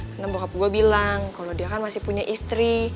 karena bokap gue bilang kalau dia kan masih punya istri